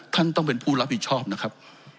ท่านต้องเป็นผู้รับผิดชอบนะครับ